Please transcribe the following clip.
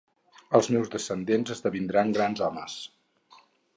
Els meus descendents esdevindran grans homes!